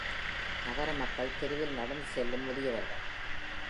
நகர மக்கள் தெருவில் நடந்து செல்லும் முதியவர்கள்.